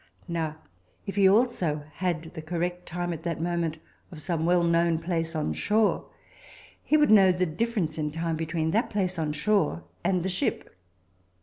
Now, if he also had the correct time at that moment of some well known place on shore, he would know the difference in time between that place on shore and the ship.